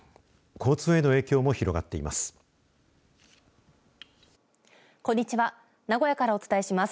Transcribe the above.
交通への影響も広がっています。